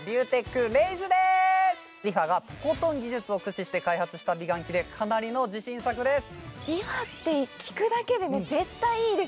ＲｅＦａがとことん技術を開発した美顔器でかなりの自信作です。